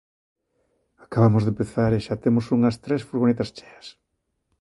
Acabamos de empezar e xa temos unhas tres furgonetas cheas.